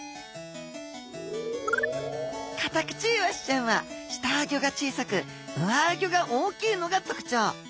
カタクチイワシちゃんは下あギョが小さく上あギョが大きいのがとくちょう。